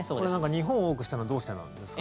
日本を多くしたのはどうしてなんですか？